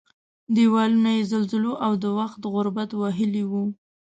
دېوالونه یې زلزلو او د وخت غربت وهلي وو.